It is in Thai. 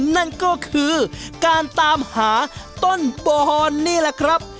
นั่นก็คือการตามหาต้นปอนนี่แหละครับ